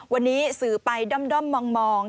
วันนี้สื่อไปด้อมมอง